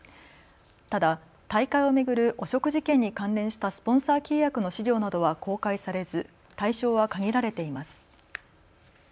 ただ大会を巡る汚職事件に関連したスポンサー契約の資料などは公開されず対象は限られています。